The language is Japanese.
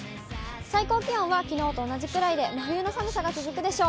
最高気温はきのうと同じくらいで、真冬の寒さが続くでしょう。